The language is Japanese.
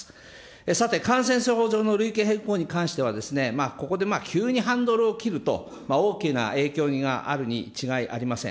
さて、感染症法上の類型変更については、ここで急にハンドルを切ると大きな影響があるに違いありません。